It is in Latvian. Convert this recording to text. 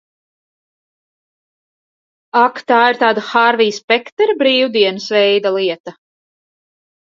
Ak, tā ir tāda Hārvija Spektera brīvdienas veida lieta?